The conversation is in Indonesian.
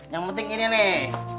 yang penting ini nih